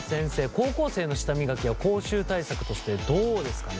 高校生の舌磨きは口臭対策としてどうですかね？